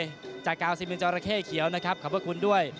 ส่วนคู่ต่อไปของกาวสีมือเจ้าระเข้เขียวนะครับขอบคุณด้วย